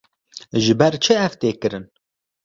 Ji ber çi ev tê kirin?